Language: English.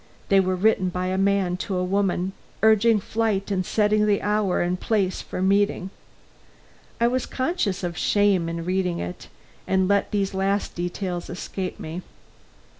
They were written by a man to a woman, urging flight and setting the hour and place for meeting. I was conscious of shame in reading it, and let these last details escape me.